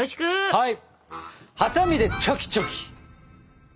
はい！